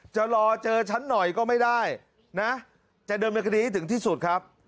จะรอเจอฉันหน่อยก็ไม่ได้นะจะเดินเป็นคดีให้ถึงที่สุดครับ